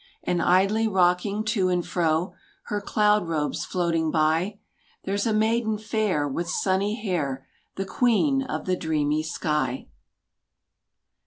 And idly rocking to and fro, Her cloud robes floating by, There's a maiden fair, with sunny hair, The queen of the dreamy sky.